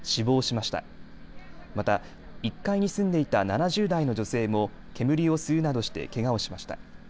また１階に住んでいた７０代の女性も煙を吸うなどしてけがをしました。